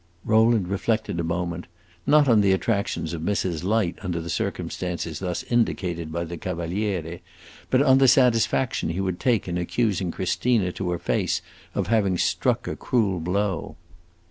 Rowland reflected a moment, not on the attractions of Mrs. Light under the circumstances thus indicated by the Cavaliere, but on the satisfaction he would take in accusing Christina to her face of having struck a cruel blow.